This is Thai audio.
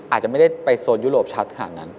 อาจจะไม่ได้ไปโซนยุโรปชัดขนาดนั้น